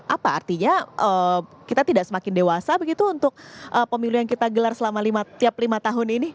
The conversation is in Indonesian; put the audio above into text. apa artinya kita tidak semakin dewasa begitu untuk pemilu yang kita gelar selama tiap lima tahun ini